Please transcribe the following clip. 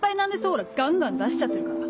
オーラガンガン出しちゃってるから。